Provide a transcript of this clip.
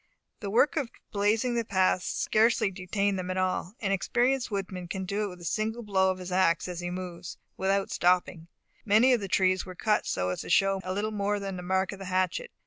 The work of blazing the path scarcely detained them at all; an experienced woodsman can do it with a single blow of his ax as he moves, without stopping. Many of the trees were cut so as to show little more than the mark of the hatchet.